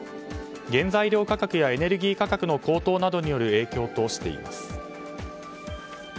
原材料価格やエネルギー価格などの高騰の影響としています。